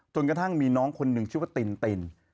กระทั่งมีน้องคนหนึ่งชื่อว่าตินติน